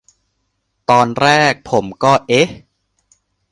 ตอนแรกผมก็ "เอ๊ะ"